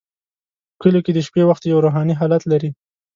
په کلیو کې د شپې وخت یو روحاني حالت لري.